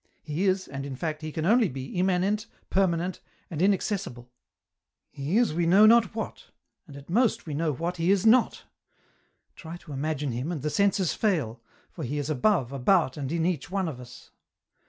He is, and, in fact. He can only be, immanent, permanent, and inacces sible. He is we know not what, and at most we know what He is not. Try to imagine Him, and the senses fail, for He is above, about, and in each one of us.